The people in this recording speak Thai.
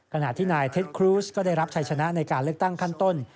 ขณะที่นายเท็จครูสก็ได้รับชัยชนะในการเลือกตั้งขั้นต้น